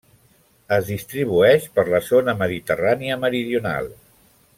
Es distribueix per la zona mediterrània meridional.